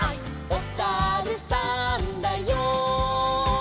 「おさるさんだよ」